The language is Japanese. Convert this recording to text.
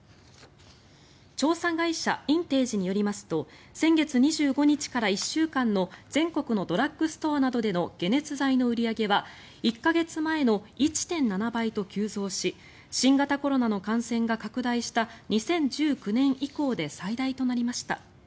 調査会社インテージによりますと先月２５日から１週間の全国のドラッグストアなどでの解熱剤の売り上げは１か月前の１．７倍と急増し新型コロナの感染が拡大した２０１９年以降で最大となりました。